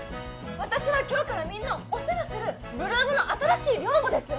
私は今日からみんなをお世話する８ＬＯＯＭの新しい寮母です！